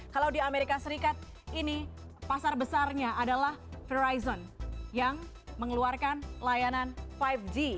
kalau di amerika serikat ini pasar besarnya adalah verizon yang mengeluarkan layanan lima g